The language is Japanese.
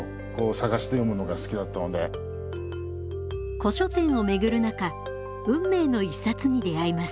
古書店を巡る中運命の一冊に出会います。